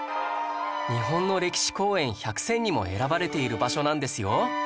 「日本の歴史公園１００選」にも選ばれている場所なんですよ